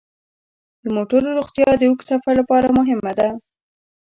د موټرو روغتیا د اوږد سفر لپاره مهمه ده.